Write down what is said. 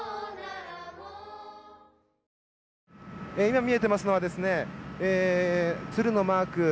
今、見えていますのは鶴のマーク。